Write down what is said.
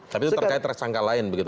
tapi itu terkait tersangka lain begitu